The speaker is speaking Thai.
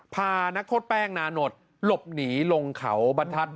พานักโทษแป้งนานดหลบหนีลงเขาบรรทัศน